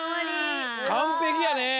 かんぺきやね。